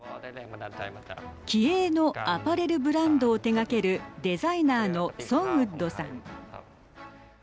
気鋭のアパレルブランドを手がけるデザイナーのソンウットさん。